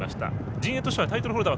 陣営としてはタイトルホルダー